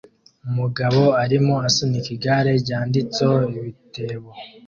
Umugabo arimo asunika igare ryanditseho ibitebo